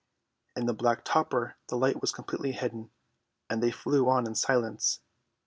In the black topper the light was completely hidden, and they flew on in silence.